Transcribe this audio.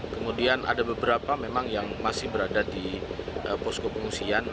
kemudian ada beberapa memang yang masih berada di posko pengungsian